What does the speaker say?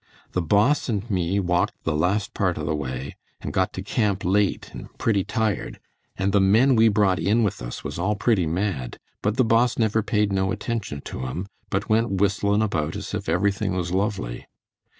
The Boss and me walked the last part of the way, and got to camp late and pretty tired, and the men we brought in with us was all pretty mad, but the Boss never paid no attention to 'em but went whistlin' about as if everything was lovely.